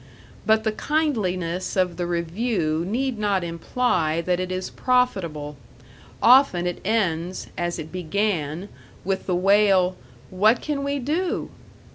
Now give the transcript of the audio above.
But the kindliness of the review need not imply that it is profitable; often it ends, as it began, with the wail, "What can we do?"